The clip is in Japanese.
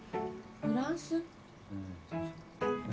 フランス？